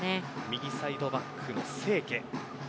右サイドバックの清家。